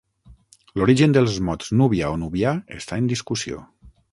L'origen del mots "Núbia" o "nubià" està en discussió.